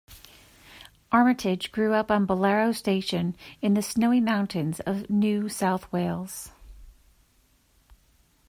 Armytage grew up on Bolaro Station in the Snowy Mountains of New South Wales.